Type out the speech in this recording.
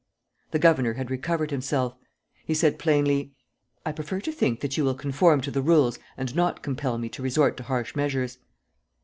The governor had recovered himself. He said plainly: "I prefer to think that you will conform to the rules and not compel me to resort to harsh measures.